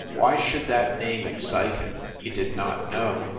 Why should that name excite him? He did not know.